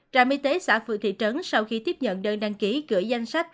trạm y tế xã phường thị trấn sau khi tiếp nhận đơn đăng ký gửi danh sách